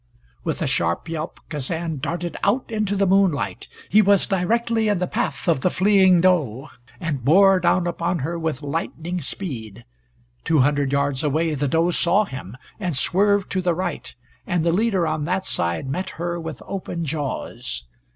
With a sharp yelp Kazan darted out into the moonlight. He was directly in the path of the fleeing doe, and bore down upon her with lightning speed. Two hundred yards away the doe saw him, and swerved to the right, and the leader on that side met her with open jaws.